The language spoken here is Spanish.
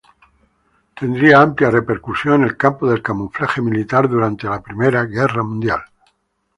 Tendría amplia repercusión en el campo del camuflaje militar durante la Primera Guerra Mundial.